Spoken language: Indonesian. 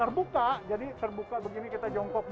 terbuka jadi terbuka begini kita jongkok